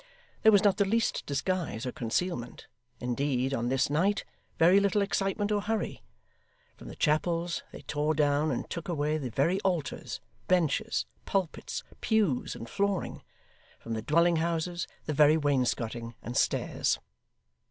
There was not the least disguise or concealment indeed, on this night, very little excitement or hurry. From the chapels, they tore down and took away the very altars, benches, pulpits, pews, and flooring; from the dwelling houses, the very wainscoting and stairs.